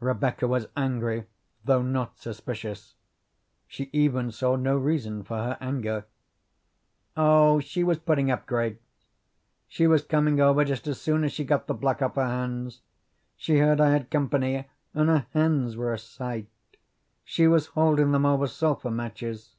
Rebecca was angry, though not suspicious. She even saw no reason for her anger. "Oh, she was putting up grapes. She was coming over just as soon as she got the black off her hands. She heard I had company, and her hands were a sight. She was holding them over sulphur matches."